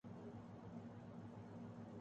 حکومتیں جائیں تاریخ کے کوڑے دان میں۔